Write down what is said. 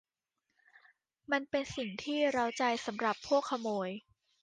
มันเป็นสิ่งที่เร้าใจสำหรับพวกขโมย